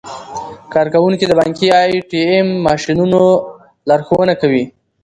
کارکوونکي د بانکي ای ټي ایم ماشینونو لارښوونه کوي.